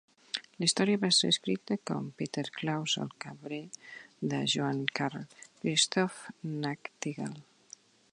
La història va ser escrita com "Peter Klaus el Cabrer" de Johann Karl Christoph Nachtigal.